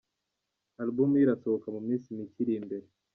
Album ye irasohoka mu minsi mike iri imbere!.